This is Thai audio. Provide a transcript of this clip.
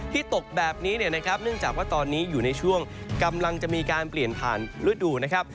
ตกแบบนี้เนี่ยนะครับเนื่องจากว่าตอนนี้อยู่ในช่วงกำลังจะมีการเปลี่ยนผ่านฤดูนะครับ